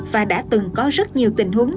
và đã từng có rất nhiều tình huống